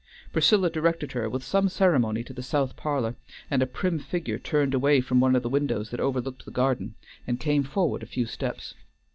Priscilla directed her with some ceremony to the south parlor, and a prim figure turned away from one of the windows that overlooked the garden, and came forward a few steps.